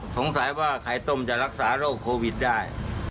สงสัยว่าไข่ต้มจะรักษาโรคโควิดได้